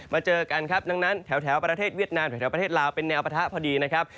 เจอกันครับดังนั้นแถวประเทศเวียดนามแถวประเทศลาวเป็นแนวปะทะพอดีนะครับ